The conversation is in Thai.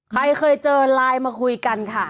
ใครเคยเจอไลน์มาคุยกันค่ะ